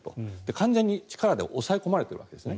完全に力で抑え込まれているわけですね。